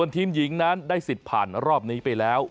ทีมหญิงนั้นได้สิทธิ์ผ่านรอบนี้ไปแล้ว